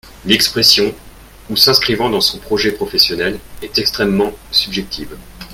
L’expression « ou s’inscrivant dans son projet professionnel » est extrêmement subjective.